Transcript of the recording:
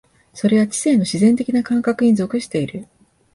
それは知性の自然的な感覚に属している。